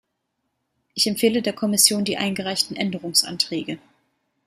Ich empfehle der Kommission die eingereichten Änderungsanträge .